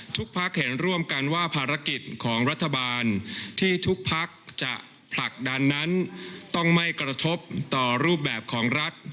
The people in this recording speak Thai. พักเห็นร่วมกันว่าภารกิจของรัฐบาลที่ทุกพักจะผลักดันนั้นต้องไม่กระทบต่อรูปแบบของรัฐ